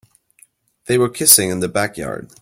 They were kissing in the backyard.